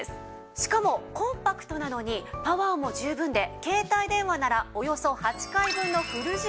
しかもコンパクトなのにパワーも十分で携帯電話ならおよそ８回分のフル充電が可能なんです。